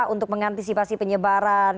untuk mengantisipasi penyebaran